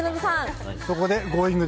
そこでＧｏｉｎｇ！